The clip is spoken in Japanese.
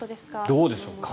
どうでしょう？